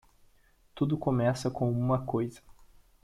Tudo começa com uma coisa.